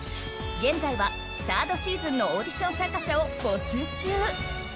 現在は、３ｒｄシーズンのオーディション参加者を募集中。